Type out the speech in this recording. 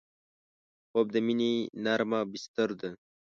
خوب د مینې نرمه بستر ده